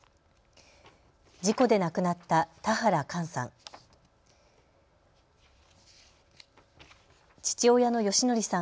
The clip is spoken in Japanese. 事故で亡くなった田原寛さん。